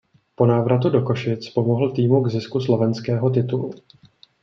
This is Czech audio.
Po návratu do Košic pomohl týmu k zisku slovenského titulu.